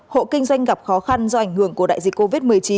hộ kinh doanh gặp khó khăn do ảnh hưởng của đại dịch covid một mươi chín